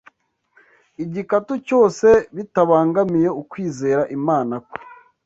igihe cyose bitabangamiye ukwizera Imana kwe;